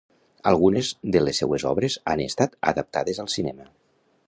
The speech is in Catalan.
Algunes de les seues obres han estat adaptades al cinema.